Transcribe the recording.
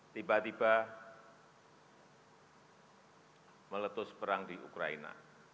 tiba tiba meletus perang di ukraina